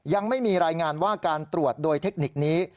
ยังไม่มีรายงานว่าการตรวจโดยเทคนิคนี้